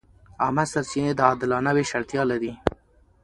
عامه سرچینې د عادلانه وېش اړتیا لري.